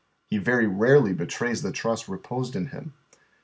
He very rarely betrays the tnist I'e posed in him.